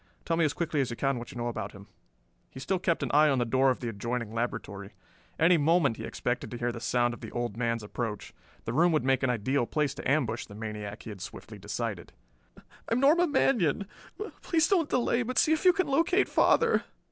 Tell me as quickly as you can what you know about him." He still kept an eye on the door of the adjoining laboratory. Any moment he expected to hear the sound of the old man's approach. The room would make an ideal place to ambush the maniac, he had swiftly decided. "I am Norma Manion. Please don't delay, but see if you can locate father."